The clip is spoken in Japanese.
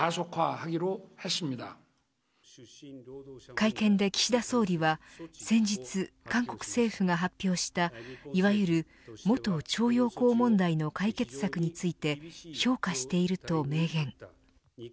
会見で岸田総理は先日、韓国政府が発表したいわゆる元徴用工問題の解決策について評価していると明言。